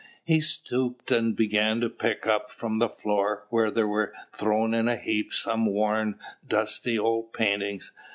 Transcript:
he stooped and began to pick up from the floor, where they were thrown in a heap, some worn, dusty old paintings.